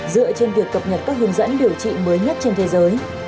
dựa trên việc cập nhật các hướng dẫn điều trị mới nhất trên thế giới